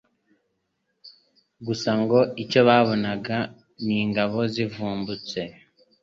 Gusa ngo icyo babonaga n'ingabo zivumbutse